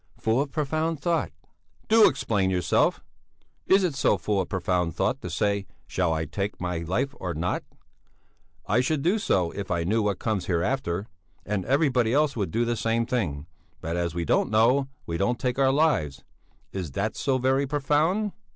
"Full of profound thought." "Do explain yourself! Is it so full of profound thought to say: Shall I take my life or not? I should do so if I knew what comes hereafter, and everybody else would do the same thing; but as we don't know, we don't take our lives. Is that so very profound?"